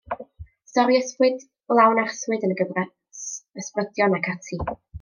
Stori ysbryd lawn arswyd yn y gyfres Ysbrydion ac Ati.